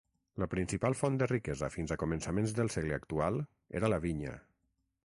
La principal font de riquesa fins a començaments del segle actual era la vinya.